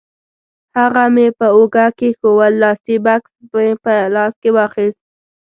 هغه مې پر اوږه کېښوول، لاسي بکس مې په لاس کې واخیست.